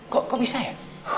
kok bisa ya